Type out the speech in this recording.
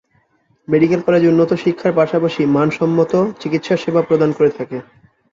Medical college উন্নত শিক্ষার পাশাপাশি মানসম্মত চিকিৎসা সেবা প্রদান করে থাকে।